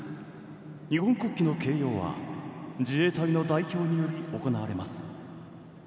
日本国旗の掲揚は自衛隊の代表により行われます。